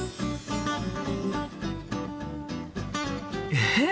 えっ！